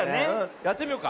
やってみようか。